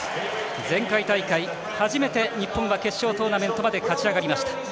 前回大会、初めて日本は決勝トーナメントまで勝ちあがりました。